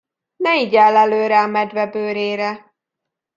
Ne igyál előre a medve bőrére.